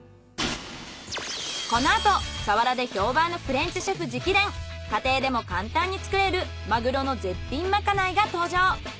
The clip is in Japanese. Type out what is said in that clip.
このあと佐原で評判のフレンチシェフ直伝家庭でも簡単に作れるマグロの絶品まかないが登場。